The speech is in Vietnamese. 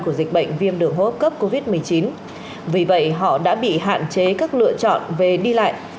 của dịch bệnh viêm đường hô hấp cấp covid một mươi chín vì vậy họ đã bị hạn chế các lựa chọn về đi lại